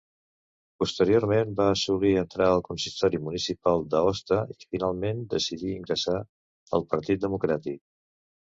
Posteriorment va assolir entrar al consistori municipal d'Aosta i finalment decidí ingressar al Partit Democràtic.